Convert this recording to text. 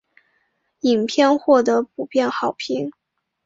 影片获得普遍好评。